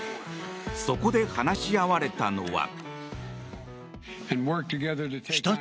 そこで話し合われたのは。